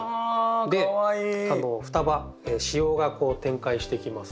双葉子葉が展開してきます。